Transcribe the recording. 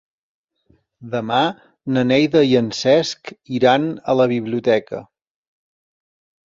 Demà na Neida i en Cesc iran a la biblioteca.